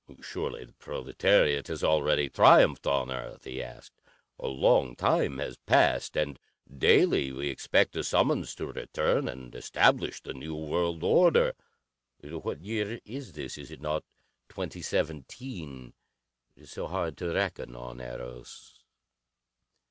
"Surely the proletariat has already triumphed on earth?" he asked. "A long time has passed, and daily we expect the summons to return and establish the new world order. What year is this? Is it not 2017? It is so hard to reckon on Eros."